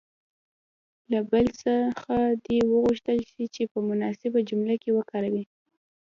له بل څخه دې وغوښتل شي چې په مناسبه جمله کې وکاروي.